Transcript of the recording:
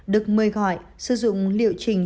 được mời gọi sử dụng liệu trình